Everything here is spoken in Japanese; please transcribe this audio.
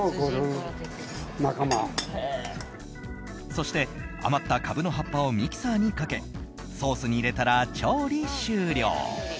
そして余ったカブの葉っぱをミキサーにかけソースに入れたら調理終了。